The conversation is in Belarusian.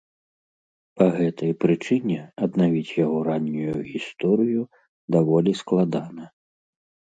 Па гэтай прычыне аднавіць яго раннюю гісторыю даволі складана.